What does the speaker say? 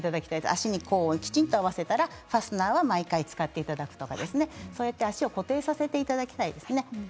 足にきちんと合わせたらファスナーを使っていただくとか足を固定させていただきたいですね。